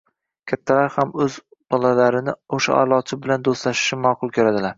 kattalar ham o‘z bolalarini o‘sha aʼlochi bilan do‘stlashishini maʼqul ko‘radilar.